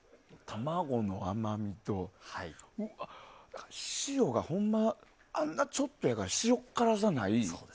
卵の甘みと塩がほんまあんなちょっとやから塩っ辛さがない。